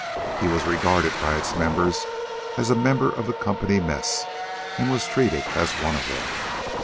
He was regarded by its members as a member of the company mess, and was treated as one of them.